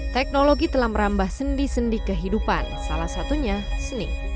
teknologi telah merambah sendi sendi kehidupan salah satunya seni